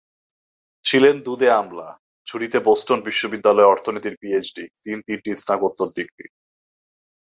ছিলেন দুঁদে আমলা, ঝুড়িতে বোস্টন বিশ্ববিদ্যালয়ের অর্থনীতির পিএইচডি, তিন তিনটি স্নাতোকোত্তর ডিগ্রি।